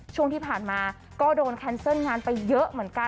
ช่วงที่ผ่านมาโดนเก็นไซ่งานไปเยอะ